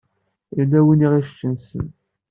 Yella win i ɣ-iseččen ssem.